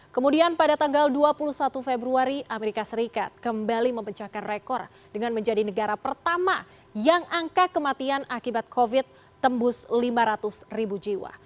kemudian pada tanggal dua puluh satu februari amerika serikat kembali mempecahkan rekor dengan menjadi negara pertama yang angka kematian akibat covid tembus lima ratus ribu jiwa